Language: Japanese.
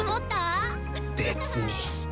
別に。